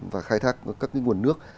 và khai thác các cái nguồn nước